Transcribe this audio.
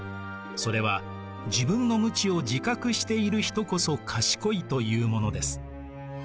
それは自分の無知を自覚している人こそ賢いというものです。